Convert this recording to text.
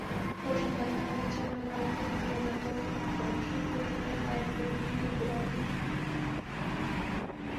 পরিসংখ্যানে দেখা গেছে, অন্যান্য রপ্তানির তুলনায় পর্যটনশিল্প থেকে আয়ের পরিমাণ দ্রুত বর্ধনশীল।